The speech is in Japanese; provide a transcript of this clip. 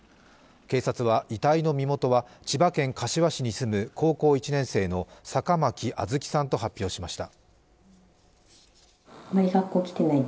警察は遺体の身元は千葉県柏市に住む高校１年生の坂巻杏月さんと発表しました。